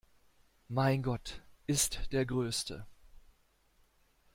Mein Gott ist der größte!